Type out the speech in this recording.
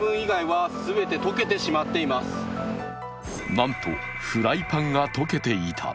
なんとフライパンが溶けていた。